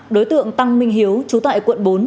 đối tượng tăng minh hiếu trú tại quận bốn